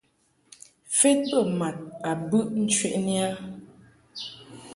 Fed bə mad a bɨʼ ncheʼni a.